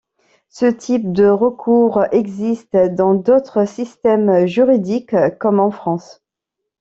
Ce type de recours existe dans d'autres systèmes juridiques, comme en France.